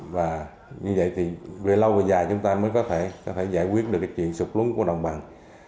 và như vậy thì về lâu về dài chúng ta mới có thể giải quyết được cái chuyện sụt lún của đồng bằng